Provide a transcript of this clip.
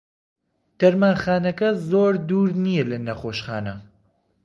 دەرمانخانەکە زۆر دوور نییە لە نەخۆشخانە.